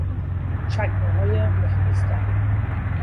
چکمههای مهمیزدار